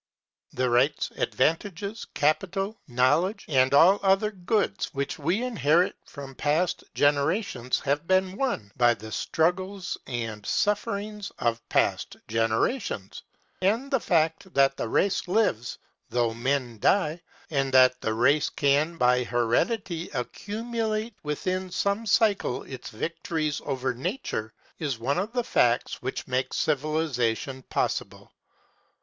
The rights, advantages, capital, knowledge, and all other goods which we inherit from past generations have been won by the struggles and sufferings of past generations; and the fact that the race lives, though men die, and that the race can by heredity accumulate within some cycle its victories over Nature, is one of the facts which make civilization possible.